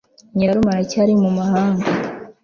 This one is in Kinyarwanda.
nyirarume aracyari mumahanga